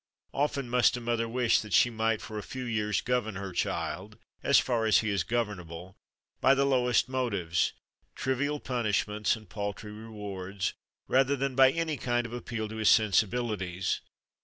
Often must a mother wish that she might for a few years govern her child (as far as he is governable) by the lowest motives trivial punishments and paltry rewards rather than by any kind of appeal to his sensibilities.